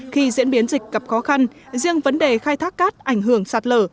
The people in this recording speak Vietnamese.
khi diễn biến dịch gặp khó khăn riêng vấn đề khai thác cát ảnh hưởng sạt lở